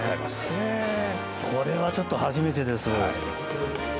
へぇこれはちょっと初めてです。